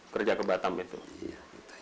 kerja ke batam itu